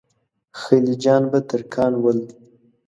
خلجیان به ترکان ول.